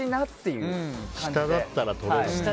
下だったら取れるね。